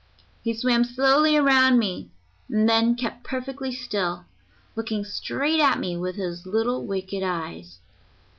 He swam slowly around me, and then kept perfectly still, looking straight at me with his little wicked eyes.